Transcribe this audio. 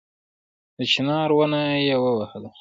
د چينار ونه يې ووهله